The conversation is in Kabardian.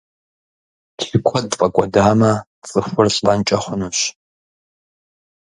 Лъы куэд фӀэкӀуэдамэ, цӀыхур лӀэнкӀэ хъунущ.